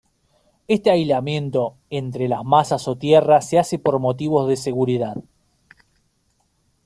Este aislamiento entre las masas o tierra se hace por motivos de seguridad.